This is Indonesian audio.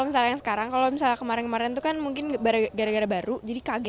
saya pikir itu bagian terbaik